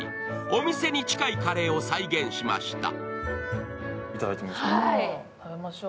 お店に近いカレーを再現しました。